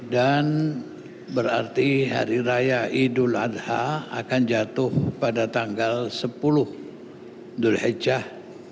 dan berarti hari raya idul adha akan jatuh pada tanggal sepuluh dhul hijjah